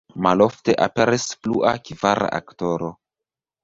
Malofte aperis plua, kvara aktoro.